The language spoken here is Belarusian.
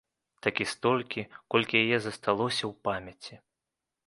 Так і столькі, колькі яе засталося ў памяці.